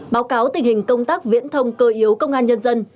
báo cáo tình hình công tác viễn thông cơ yếu công an nhân dân